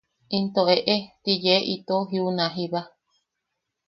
Into eʼe ti yee itou jiuna jiba.